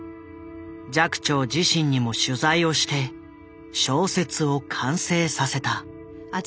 寂聴自身にも取材をして小説を完成させた。